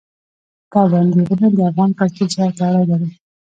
پابندی غرونه د افغان کلتور سره تړاو لري.